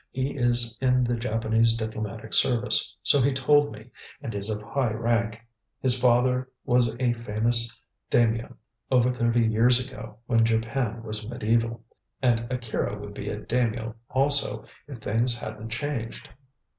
"He is in the Japanese Diplomatic Service, so he told me, and is of high rank. His father was a famous daimio over thirty years ago, when Japan was mediæval, and Akira would be a daimio also, if things hadn't changed.